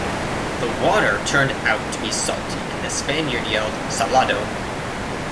The water turned out to be salty and the Spaniard yelled salado!